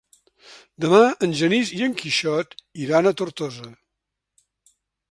Demà en Genís i en Quixot iran a Tortosa.